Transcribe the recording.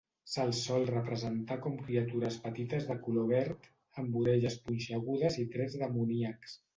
Se'ls sol representar com criatures petites de color verd amb orelles punxegudes i trets demoníacs.